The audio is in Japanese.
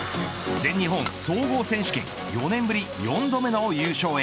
全日本総合選手権４年ぶり４度目の優勝へ。